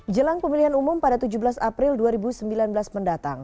jelang pemilihan umum pada tujuh belas april dua ribu sembilan belas mendatang